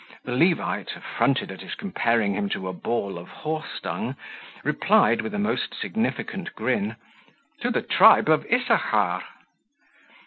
The Levite, affronted at his comparing him to a ball of horse dung, replied, with a most significant grin, "To the tribe of Issachar."